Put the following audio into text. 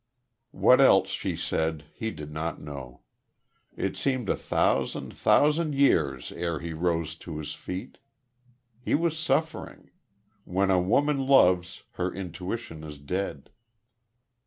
..." What else she said, he did not know. It seemed a thousand, thousand years ere he rose to his feet. He was suffering When a woman loves, her intuition is dead....